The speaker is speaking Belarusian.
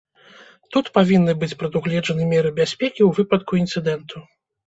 Тут павінны быць прадугледжаны меры бяспекі ў выпадку інцыдэнту.